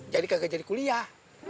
jadi kaget jadi kuliah